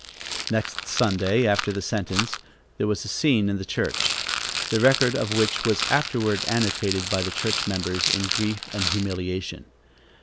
Next Sunday after the sentence, there was a scene in the church, the record of which was afterward annotated by the church members in grief and humiliation.